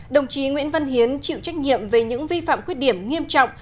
đồng chí nguyễn văn hiến chịu trách nhiệm về những vi phạm khuyết điểm nghiêm trọng